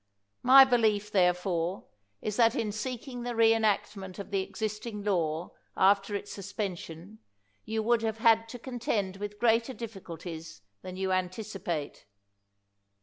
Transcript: My belief, therefore, is that in seeking the re enactment of the existing law after its suspension 184 PEEL you would have had to contend with greater dif ficulties than you anticipate.